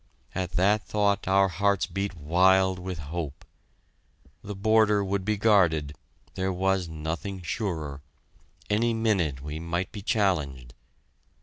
At that thought our hearts beat wild with hope. The border would be guarded there was nothing surer any minute we might be challenged.